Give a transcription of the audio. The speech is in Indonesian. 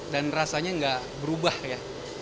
dan rasanya enggak berubah ya